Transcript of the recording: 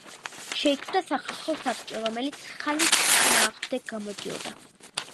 შეიქმნა სახალხო საბჭო, რომელიც ხანის წინააღმდეგ გამოდიოდა.